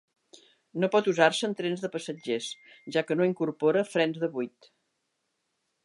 No pot usar-se en trens de passatgers ja que no incorpora frens de buid.